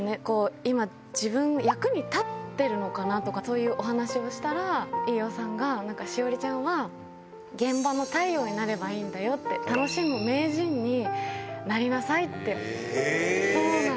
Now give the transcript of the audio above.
今、自分、役に立ってるのかなとか、そういうお話をしたら、飯尾さんが、なんか栞里ちゃんは、現場の太陽になればいいんだよって、楽しむへぇ。